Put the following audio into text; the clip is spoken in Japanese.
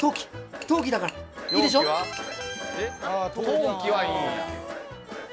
陶器はいいんや。